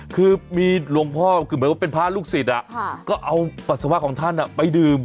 คือมีหลวงพ่อคือเหมือนว่าเป็นพระลูกศิษย์ก็เอาปัสสาวะของท่านไปดื่ม